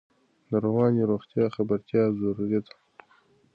د رواني روغتیا خبرتیا ضروري ده.